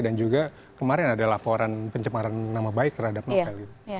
dan juga kemarin ada laporan pencemaran nama baik terhadap novel